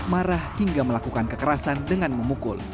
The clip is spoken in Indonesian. marah hingga melakukan kekerasan dengan memukul